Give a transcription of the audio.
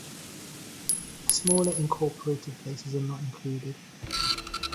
Smaller incorporated places are not included.